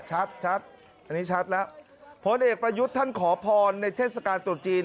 ชัดอันนี้ชัดแล้วพลตำรวจเอกประยุทธ์ท่านขอพรในเทศกาลตรวจจีน